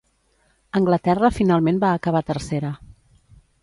Anglaterra finalment va acabar tercera.